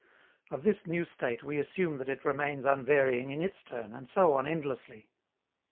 Of this new state we assume that it remains unvarying in its turn, and so on endlessly.